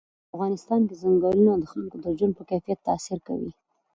په افغانستان کې ځنګلونه د خلکو د ژوند په کیفیت تاثیر کوي.